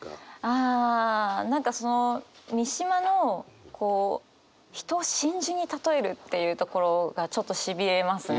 あ何かその三島の人を真珠にたとえるっていうところがちょっとしびれますね。